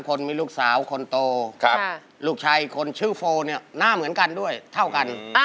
คนมีลูกสาวคนโตลูกชายอีกคนชื่อโฟเนี่ยหน้าเหมือนกันด้วยเท่ากัน